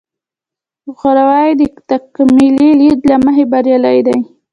غواوې د تکاملي لید له مخې بریالۍ دي.